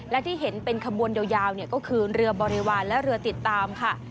และที่เห็นเป็นขบวนยาวก็คือเรือบริวารและเรือติดตามค่ะ